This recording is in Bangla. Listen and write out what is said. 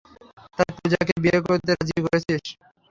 তুই পুজাকে বিয়ে করতে রাজি করেছিস।